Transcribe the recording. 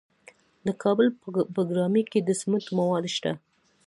د کابل په بګرامي کې د سمنټو مواد شته.